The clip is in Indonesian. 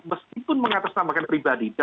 meskipun mengatasnamakan pribadi